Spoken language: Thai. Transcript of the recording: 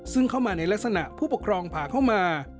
ซึ่งเข้ามาในลักษณะผู้ปกครองผ่าเข้ามา